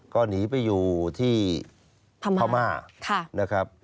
ก็หนีไปอยู่ที่ภามากค่ะ